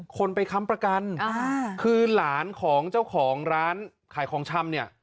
คนไปค้ำประกันคือหลานของเจ้าของร้านขายของชำเนี่ย